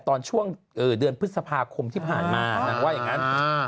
ตอนช่วงเดือนพฤษภาคมที่ผ่านมานางว่าอย่างนั้น